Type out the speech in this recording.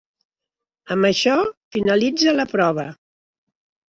Amb això finalitza la prova.